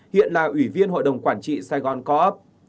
hiện là ủy viên hội đồng quản trị saigon co op